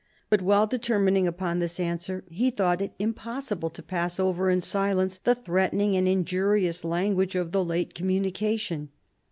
But while determining upon this answer, he thought it impossible to pass over in silence the threatening and injurious language of the late communication.